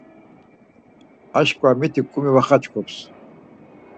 Aşǩva mitik kurmi var xaçkums.